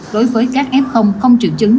đối với các f không triệu chứng